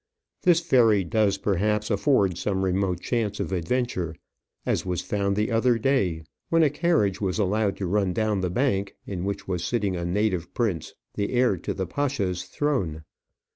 This ferry does, perhaps, afford some remote chance of adventure, as was found the other day, when a carriage was allowed to run down the bank, in which was sitting a native prince, the heir to the pasha's throne.